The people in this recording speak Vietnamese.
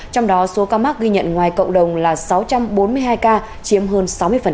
trong đó số ca mắc ghi nhận ngoài cộng đồng là sáu trăm bốn mươi hai ca chiếm hơn sáu mươi